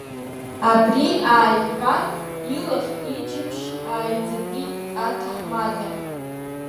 Абри ааиҳәан, илахь-иџьымшь ааиӡатәит аҭаҳмада.